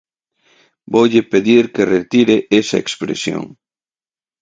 Voulle pedir que retire esa expresión.